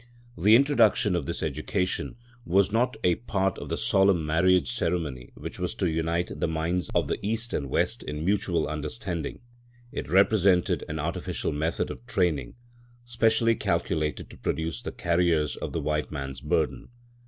The introduction of this education was not a part of the solemn marriage ceremony which was to unite the minds of the East and West in mutual understanding. It represented an artificial method of training specially calculated to produce the carriers of the white man's burden.